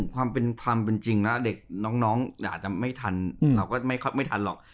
ความเป็นความเป็นจริงแล้วเด็กน้องอาจจะไม่ทันเราก็ไม่ทันหรอก